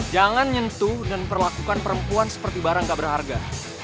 jangan nyentuh dan perlakukan perempuan seperti barang gak berharga